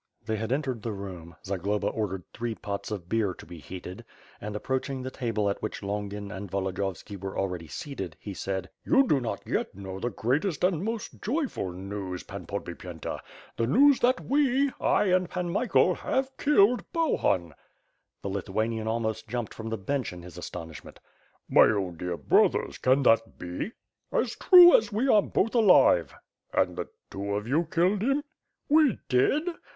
They had entered the room, Zagloba ordered three pots of beer to be heated, and, approaching the table at which Longin and Volodiyovski were already seated, he said: You do not yet know the greatest and most joyful news. ^72 WITH FIRE AND SWORD, Pan Podbiyenta; the news that we, 1 and Pan Michael have killed Bohun." The Lithuanian almost jumped from the bench in his as tonishment. "My own dear brothers, can that be?" "As true as we are both alive." "And the two of you killed him?" "We did."